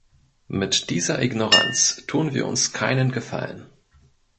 Mit dieser Ignoranz tun wir uns keinen Gefallen.